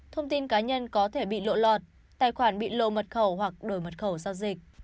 thông tin cá nhân có thể bị lộ lọt tài khoản bị lộ mật khẩu hoặc đổi mật khẩu giao dịch